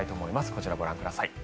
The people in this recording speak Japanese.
こちら、ご覧ください。